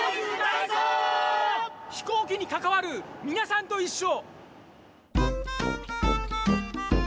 飛行機にかかわるみなさんといっしょ！